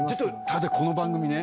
ただこの番組ね。